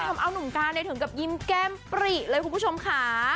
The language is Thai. ทำเอานุ่มการถึงกับยิ้มแก้มปริเลยคุณผู้ชมค่ะ